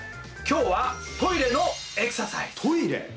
今日はトイレのエクササイズ。